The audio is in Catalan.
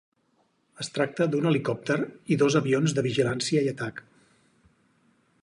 Es tracta d’un helicòpter i dos avions de vigilància i atac.